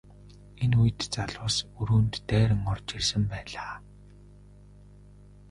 Энэ үед залуус өрөөнд дайран орж ирсэн байлаа.